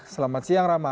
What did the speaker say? selamat siang rama